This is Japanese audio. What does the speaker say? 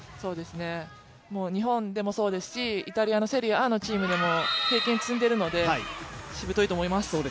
日本でもそうですし、イタリアのセリエＡのチームでも経験を積んでいるので、しぶといと思います。